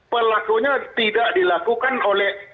pelakunya tidak dilakukan oleh